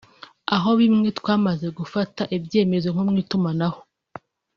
aho muri bimwe twamaze gufata ibyemezo nko mu itumanaho